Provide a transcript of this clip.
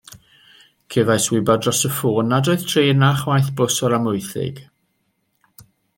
Cefais wybod dros y ffôn nad oedd trên na chwaith bws o'r Amwythig.